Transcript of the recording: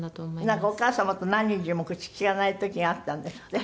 なんかお母様と何日も口利かない時があったんですって？